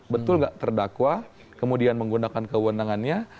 betul nggak terdakwa kemudian menggunakan kewenangannya